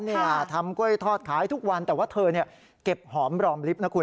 นี่ทำกล้วยทอดขายทุกวันแต่ว่าเธอเก็บหอมรอมลิฟต์นะคุณ